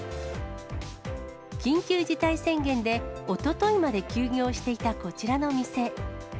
緊急事態宣言でおとといまで休業していたこちらの店。